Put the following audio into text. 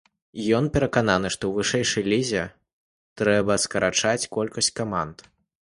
Ён перакананы, што ў вышэйшай лізе трэба скарачаць колькасць каманд.